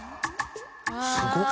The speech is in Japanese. すごっ！